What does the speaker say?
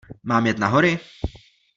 Mám jet na hory?